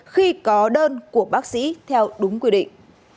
khi có đơn của bác sĩ theo đúng quy định